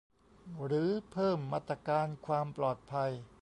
หรือเพิ่มมาตรการความปลอดภัย